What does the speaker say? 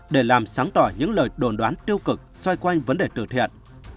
để làm sáng tỏ những lời đồn đoán tiêu cực xoay quanh vấn đề tử thiện